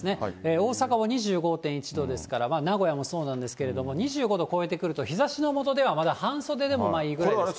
大阪も２５．１度ですから、名古屋もそうなんですけれども、２５度超えてくると、日ざしの下ではまだ半袖でもいいぐらいですけれども。